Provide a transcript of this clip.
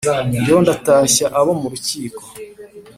ndiho ndatashya abo mu rukiko